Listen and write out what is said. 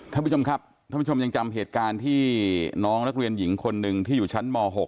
ท่านผู้ชมครับท่านผู้ชมยังจำเหตุการณ์ที่น้องนักเรียนหญิงคนหนึ่งที่อยู่ชั้นม๖